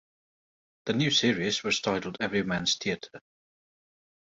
The new series was titled "Everyman's Theatre".